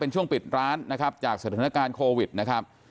ช่วงปิดร้านนะครับจากสถานการณ์โควิดนะครับ